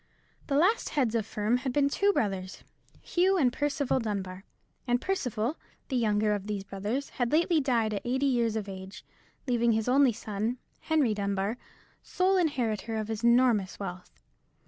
The last heads of the firm had been two brothers, Hugh and Percival Dunbar; and Percival, the younger of these brothers, had lately died at eighty years of age, leaving his only son, Henry Dunbar, sole inheritor of his enormous wealth.